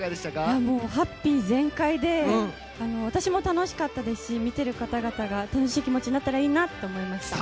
ハッピー全開で私も楽しかったですし見ている方々が楽しい気持ちになったらいいなと伝わりました。